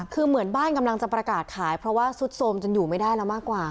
คือเหมือนบ้านกำลังจะประกาศขายเพราะว่าซุดโทรมจนอยู่ไม่ได้แล้วมากกว่า